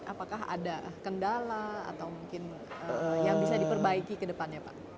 apakah ada kendala atau mungkin yang bisa diperbaiki ke depannya pak